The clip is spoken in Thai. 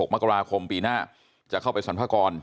มกราคมปีหน้าจะเข้าไปสรรพากร